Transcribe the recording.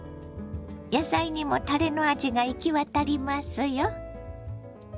野菜にもたれの味が行き渡りますよ。